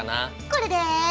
これで。